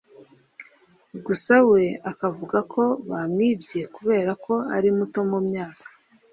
gusa we akavuga ko bamwibye kubera ko ari muto mu myaka